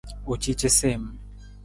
U ci casiim.